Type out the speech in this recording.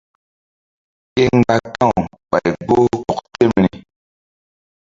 Ke mgba ka̧w ɓay gboh kɔk temri.